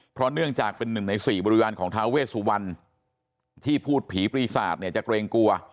เพราะเนื่องจากเป็นหนึ่งในสี่บริวารของทาเวสุวรรณที่พูดผีปีศาจเนี่ยจะเกรงกลัว